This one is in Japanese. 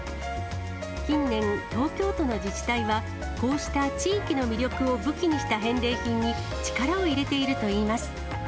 近年、東京都の自治体はこうした地域の魅力を武器にした返礼品に力を入れているといいます。